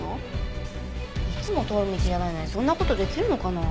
いつも通る道じゃないのにそんな事できるのかな？